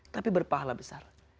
tapi berpahala besar